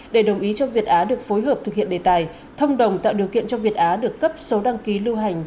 để đồng ý cho việt á được phối hợp thực hiện đề tài thông đồng tạo điều kiện cho việt á được cấp số đăng ký lưu hành